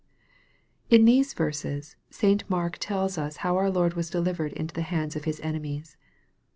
IN these verses, St. Mark tells us how our Lord was delivered into the hands of His enemies.